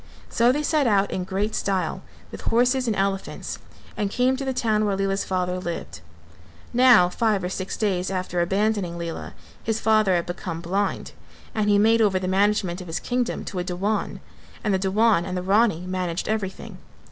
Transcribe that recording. So they set out in great style with horses and elephants and came to the town where Lela's father lived. Now five or six days after abandoning Lela, his father had become blind and, he made over the management of his kingdom to a Dewan, and the Dewan and the Rani managed everything.